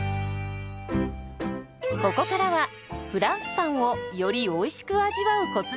ここからはフランスパンをよりおいしく味わうコツです。